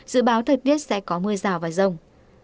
dự báo thời tiết sẽ có mưa rào và rông